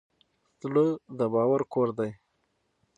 زړه د باور کور دی.